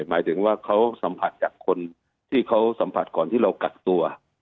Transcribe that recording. หมายถึงว่าเขาสัมผัสจากคนที่เขาสัมผัสก่อนที่เรากักตัว